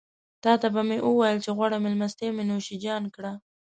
تاته به مې وويل چې غوړه مېلمستيا مې نوشيجان کړه.